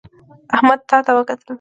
احمد تا ته وکتل